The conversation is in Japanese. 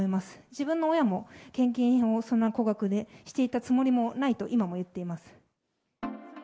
自分の親も献金をそんな高額でしていたつもりもないと、今も言っています。